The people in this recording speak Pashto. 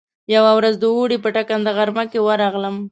يوه ورځ د اوړي په ټکنده غرمه کې ورغلم.